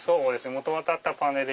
元々あったパネル